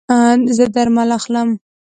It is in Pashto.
زه درمل اخلم